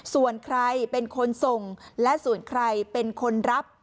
ส่วนใครเป็นคนส่งและส่วนใครเป็นคนรับ